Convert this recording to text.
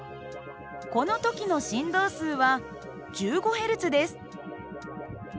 この時の振動数は１５Ｈｚです。